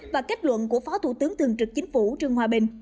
và kết luận của phó thủ tướng thường trực chính phủ trương hòa bình